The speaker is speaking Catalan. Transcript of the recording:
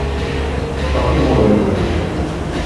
Toca molt bé el clarinet.